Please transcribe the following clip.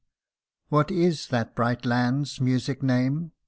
What is that bright land's music name?